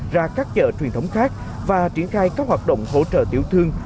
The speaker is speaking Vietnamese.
ra các chợ truyền thống khác và triển khai các hoạt động hỗ trợ tiểu thương